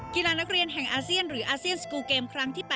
กีฬานักเรียนแห่งอาเซียนหรืออาเซียนสกูลเกมครั้งที่๘